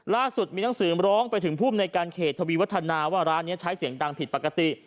ล่าสุดมีหนังสือร้องไปถึงภูมิในการเขตทวีวัฒนาว่าร้านนี้ใช้เสียงดังผิดปกติ